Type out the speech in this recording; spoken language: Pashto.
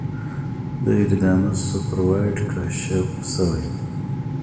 د ایریدانوس سوپر وایډ کشف شوی.